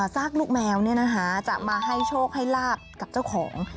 ซากลูกแมวจะมาให้โชคให้ลาบกับเจ้าของ